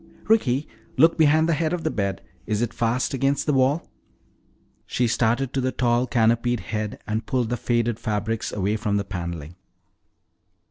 "Ricky, look behind the head of the bed! Is it fast against the wall?" She started to the tall canopied head and pulled the faded fabrics away from the paneling.